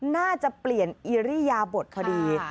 น่าจะเปลี่ยนอิริยาบทพอดี